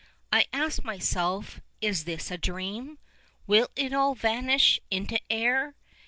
I ask myself, Is this a dream? Will it all vanish into air?